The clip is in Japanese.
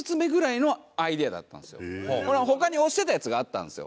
他に推してたやつがあったんですよ。